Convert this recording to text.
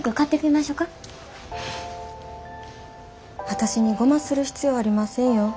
私にゴマする必要ありませんよ。